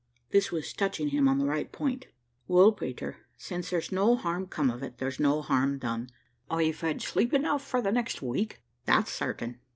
This was touching him on the right point. "Well, Peter, since there's no harm come of it, there's no harm done. I've had sleep enough for the next week, that's certain."